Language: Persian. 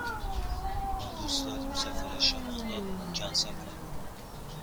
ما دوست داریم سفارش مان را کنسل کنیم.